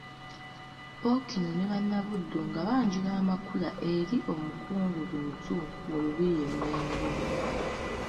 Ppookino ne Bannabuddu nga banjula amakula eri Omukungu Luutu mu Lubiri e Mengo.